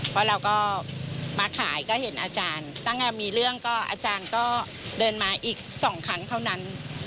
เพราะเราก็มาขายก็เห็นอาจารย์ตั้งแต่มีเรื่องก็อาจารย์ก็เดินมาอีก๒ครั้งเท่านั้น